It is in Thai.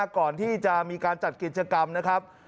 ก่อนที่จะมีการจัดกิจกรรมนะครับ